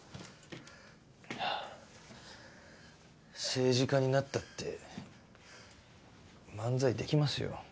政治家になったって漫才できますよ。